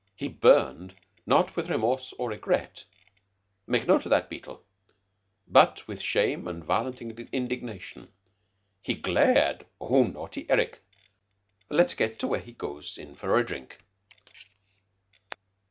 He burned not with remorse or regret' make a note o' that, Beetle 'but with shame and violent indignation. He glared' oh, naughty Eric! Let's get to where he goes in for drink."